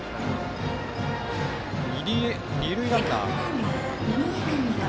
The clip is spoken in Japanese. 入江、二塁ランナー。